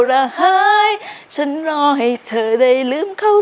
เจอกับฉันและรักเรา